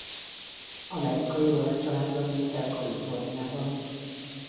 Amerikai-olasz családban nőtt fel Kaliforniában.